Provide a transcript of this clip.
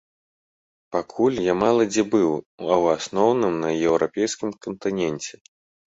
Пакуль я мала дзе быў, у асноўным на еўрапейскім кантыненце.